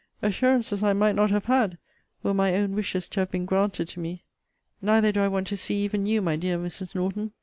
Assurances I might not have had, were my own wishes to have been granted to me! Neither do I want to see even you, my dear Mrs. Norton.